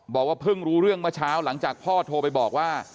บอกว่าเพิ่งรู้เรื่องเมื่อเช้าหลังจากพ่อโทรไปบอกว่า